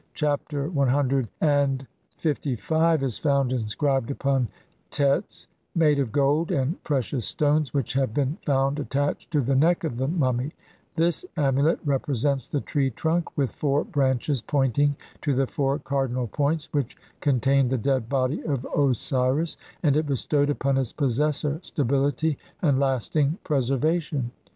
Chapter CLV is found inscribed upon Tets made of gold and precious stones which have been found attached to the neck of the mummy ; this amulet represents the tree trunk, with four branches pointing to the four cardinal points, which contained the dead body of Osiris, and it bestowed upon its possessor stability and lasting preservation.